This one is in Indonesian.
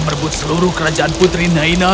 merebut seluruh kerajaan putri naina